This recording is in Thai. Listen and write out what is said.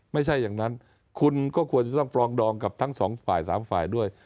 ไม่ใช่อย่างนั้นคุณก็ควรจะต้องปรองดองกับทั้งสองฝ่าย๓ฝ่ายด้วย